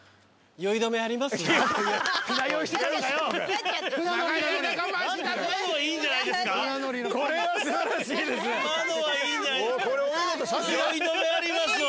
「酔い止めあります？」は。